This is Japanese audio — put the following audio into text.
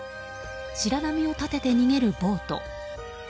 白波を立てて逃げるボート。